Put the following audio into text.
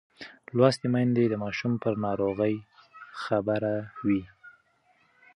لوستې میندې د ماشوم پر ناروغۍ خبر وي.